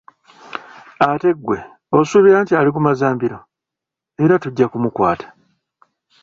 Ate ggwe osuubira nti aligumaza mbilo. Era tujja kumukwata.